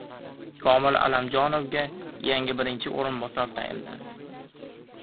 Komil Allamjonovga yangi birinchi o‘rinbosar tayinlandi